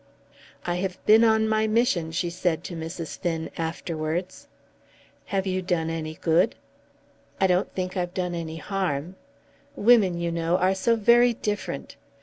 "I have been on my mission," she said to Mrs. Finn afterwards. "Have you done any good?" "I don't think I've done any harm. Women, you know, are so very different!